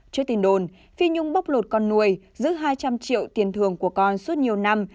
trước tin đồn phi nhung bóc lột con nuôi giữ hai trăm linh triệu tiền thường của con suốt nhiều năm